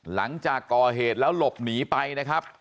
หลังจากก่อเหตุแล้วหลบหนีไปนะครับ